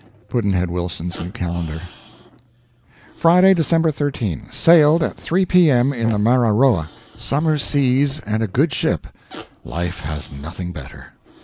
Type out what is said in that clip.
Pudd'nhead Wilson's New Calendar. Friday, December 13. Sailed, at 3 p.m., in the 'Mararoa'. Summer seas and a good ship life has nothing better.